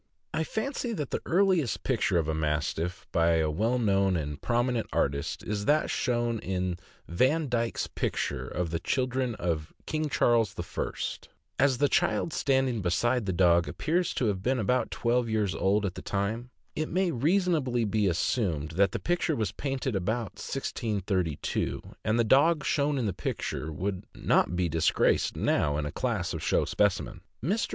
I fancy that the earliest picture of a Mastiff, by a well known and prominent artist, is that shown in Vandyke's picture of the children of King Charles I. As the child standing beside the dog appears to have been about twelve years old at the time, it may reasonably be assumed that the picture was painted about 1632; and the dog shown in that picture would CHAMPION BEAUFORT. Owned by J. L. Wmchell, Fairhaven, Vt. not be disgraced now in a class of show specimens. Mr.